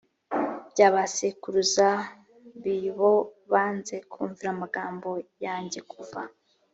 bya ba sekuruza b bo banze kumvira amagambo yanjye kuva